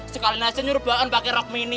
sekali nasi nyuruh bok on pakai rok mini